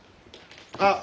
あっ！